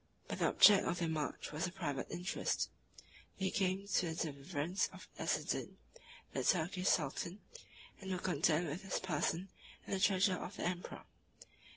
But the object of their march was a private interest: they came to the deliverance of Azzadin, the Turkish sultan; and were content with his person and the treasure of the emperor.